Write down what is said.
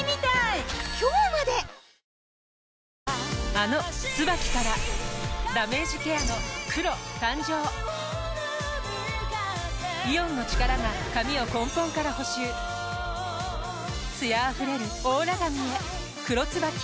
あの「ＴＳＵＢＡＫＩ」からダメージケアの黒誕生イオンの力が髪を根本から補修艶あふれるオーラ髪へ「黒ＴＳＵＢＡＫＩ」